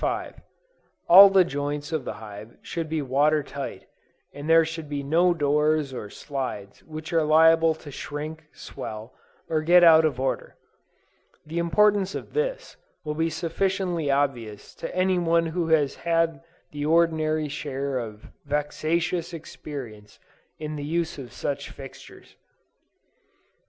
All the joints of the hive should be water tight, and there should be no doors or slides which are liable to shrink, swell, or get out of order. The importance of this will be sufficiently obvious to any one who has had the ordinary share of vexatious experience in the use of such fixtures.